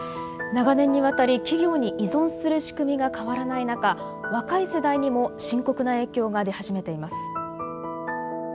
長年にわたり企業に依存する仕組みが変わらない中若い世代にも深刻な影響が出始めています。